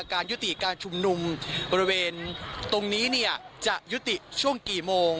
การยุติการชุมนุมบริเวณตรงนี้เนี่ยจะยุติช่วงกี่โมง